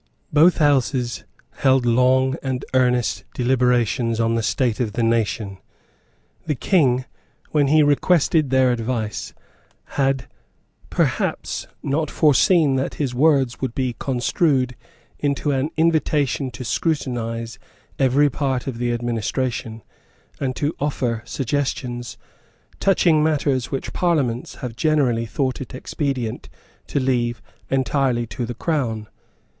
Both Houses held long and earnest deliberations on the state of the nation. The King, when he requested their advice, had, perhaps, not foreseen that his words would be construed into an invitation to scrutinise every part of the administration, and to offer suggestions touching matters which parliaments have generally thought it expedient to leave entirely to the Crown.